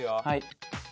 はい。